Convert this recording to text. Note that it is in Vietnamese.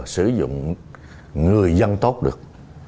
sử dụng người dân tốt được